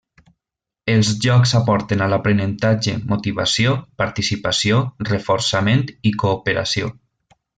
Els jocs aporten a l'aprenentatge motivació, participació, reforçament, i cooperació.